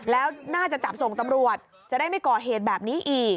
แล้วน่าจะจับส่งตำรวจจะได้ไม่ก่อเหตุแบบนี้อีก